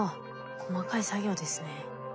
細かい作業ですね。